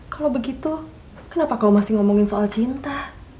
kalau begitu kenapa kau masih ngomongin soal cinta